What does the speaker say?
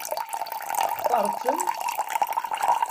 Textaṛeḍ-ten?